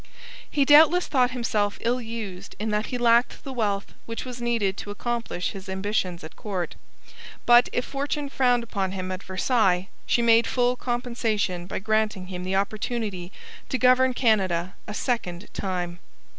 He doubtless thought himself ill used in that he lacked the wealth which was needed to accomplish his ambitions at court. But if fortune frowned upon him at Versailles, she made full compensation by granting him the opportunity to govern Canada a second time.